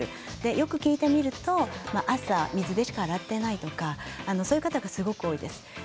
よく聞いてみると朝、水でしか洗っていないという方がすごく多いです。